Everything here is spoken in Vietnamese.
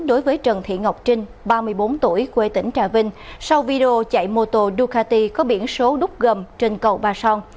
đối với trần thị ngọc trinh ba mươi bốn tuổi quê tỉnh trà vinh sau video chạy mô tô ducati có biển số đúc gầm trên cầu ba son